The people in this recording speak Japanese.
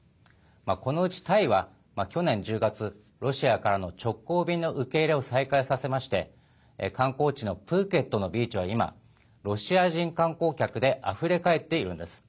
このうち、タイは去年１０月ロシアからの直行便の受け入れを再開させまして観光地のプーケットのビーチは今ロシア人観光客であふれかえっているんです。